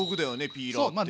ピーラーって。